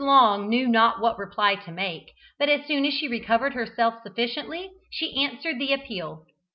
Long knew not what reply to make, but as soon as she recovered herself sufficiently, she answered the appeal.